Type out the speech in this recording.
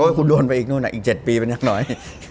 โอ้ยคุณโดนไปอีกนู่นน่ะอีก๗ปีเป็นยังน้อย